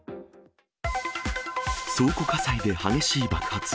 倉庫火災で激しい爆発。